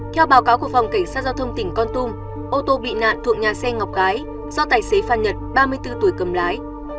theo báo cáo của phòng cảnh sát giao thông tỉnh con tum ô tô bị nạn thuộc nhà xe ngọc gái do tài xế phan nhật ba mươi bốn tuổi cầm lái